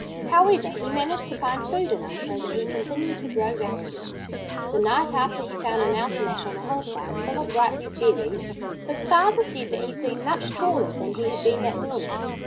However, he managed to find food enough so that he continued to grow rapidly. The night after he found a mountain ash on a hillside, full of bright red berries, his father said that he seemed much taller than he had been that morning.